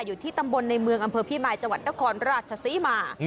อยู่ที่ตำบลในเมืองอำเภอพิมายจังหวัดนครราชศรีมา